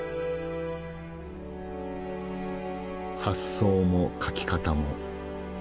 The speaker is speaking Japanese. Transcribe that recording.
発想も描き方も。